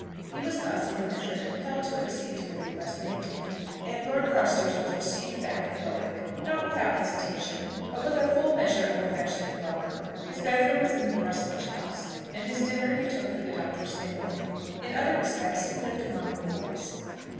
He was thus in a measure compelled to accede to the request made to him, and Lord Carstairs was received back at Bowick, not without hesitation, but with a full measure of affectionate welcome. His bed room was in the parsonage house, and his dinner he took with the Doctor's family. In other respects he lived among the boys.